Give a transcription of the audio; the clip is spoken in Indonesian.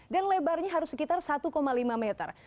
dan lebarnya harus sekitar satu lima meter